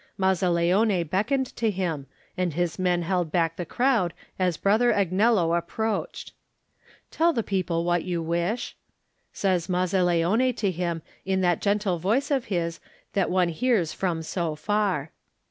Mazzaleone beckoned to him, and his men held back the crowd as Brother Agnello approached. "Tell the people what you wish, says Mazzaleone to him in that gentle voice of his that one hears from so far.